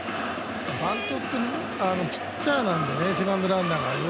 バントって、ピッチャーなんでね、セカンドランナーが。